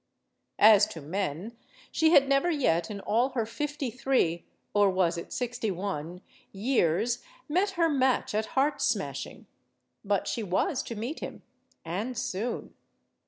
As to men, she had never yet in all her fifty three or was it sixty one? years, met her match at heart smashing. But she was to meet him. And soon.